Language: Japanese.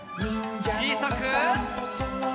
ちいさく。